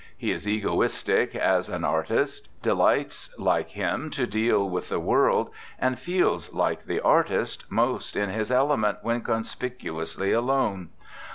He is egoistic as an artist, de lights, like him, to deal with the world, and feels, like the artist, most in his ele ment when conspicuously alone.